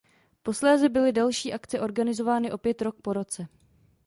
Posléze byly další akce organizovány opět rok po roce.